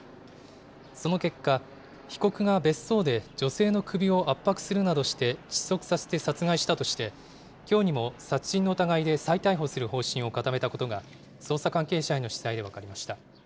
その結果、被告が別荘で女性の首を圧迫するなどして、窒息させて殺害したとして、きょうにも殺人の疑いで再逮捕する方針を固めたことが、捜査関係者への取材で分かりました。